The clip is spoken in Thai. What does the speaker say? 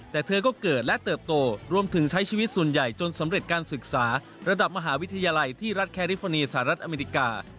แต่เธอก็เกิดและเติบโตรวมถึงใช้ชีวิตส่วนใหญ่จนสำเร็จการศึกษาระดับมหาวิทยาลัยที่รัฐแคลิฟอร์เนียสหรัฐอเมริกา